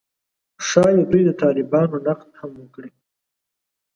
ښايي دوی د طالبانو نقد هم وکړي